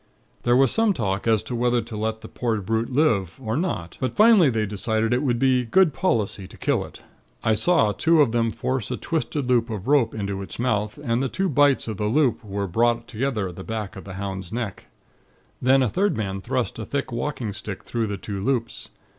There was some talk as to whether to let the poor brute live, or not; but finally they decided it would be good policy to kill it. I saw two of them force a twisted loop of rope into its mouth, and the two bights of the loop were brought together at the back of the hound's neck. Then a third man thrust a thick walking stick through the two loops.